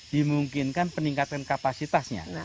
dimungkinkan peningkatan kapasitasnya